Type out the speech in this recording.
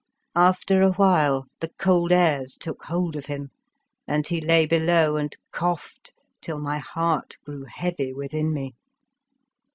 After awhile the cold airs took hold of him and he lay below and coughed till my heart grew heavy within me.